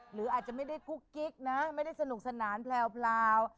หรืออาจจะไม่ได้กุ๊กกิ๊กนะไม่ได้สนุกสนานแพลว